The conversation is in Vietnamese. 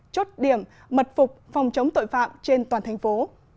chốt điểm mật phục phòng chống tội phạm trên toàn thành phố